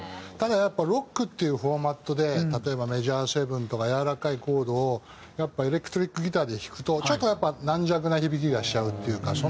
ただやっぱロックっていうフォーマットで例えばメジャーセブンとかやわらかいコードをやっぱエレクトリックギターで弾くとちょっとやっぱ軟弱な響きがしちゃうっていうか